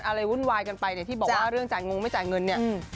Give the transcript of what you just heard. วุ่นวายกันไปเนี่ยที่บอกว่าเรื่องจ่ายงงไม่จ่ายเงินเนี่ย